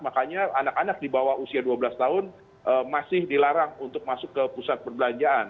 makanya anak anak di bawah usia dua belas tahun masih dilarang untuk masuk ke pusat perbelanjaan